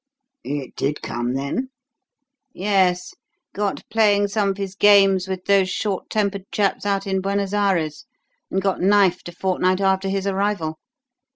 "It did come, then?" "Yes. Got playing some of his games with those short tempered chaps out in Buenos Ayres and got knifed a fortnight after his arrival.